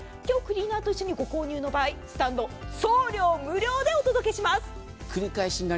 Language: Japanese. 今日クリーナーと一緒にご購入の場合、スタンド、送料無料でお届けします。